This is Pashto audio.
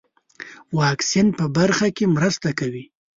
واکسین په برخه کې مرسته کوي.